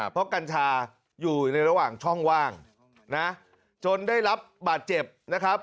เพราะกัญชาอยู่ในระหว่างช่องว่างนะจนได้รับบาดเจ็บนะครับ